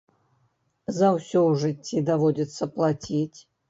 За ўсё ў жыцці даводзіцца плаціць.